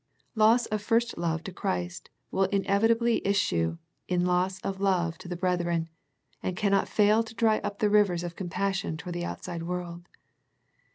Loss of first love to Christ will inevitably issue in loss of love to the brethren, and cannot fail to dry up the rivers of compassion toward the outside world.